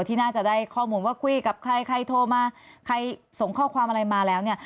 ที่น่าจะได้ข้อมูลว่าคุยกับใครใครโทรมาใครส่งข้อความอะไรมาแล้วเนี่ย